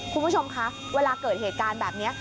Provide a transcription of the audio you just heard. คุณผู้ชมคะเวลาเกิดเหตุการณ์แบบนี้